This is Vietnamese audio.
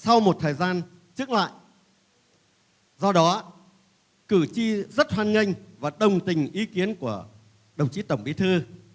sau một thời gian trước lại do đó cử tri rất hoan nghênh và đồng tình ý kiến của đồng chí tổng bí thư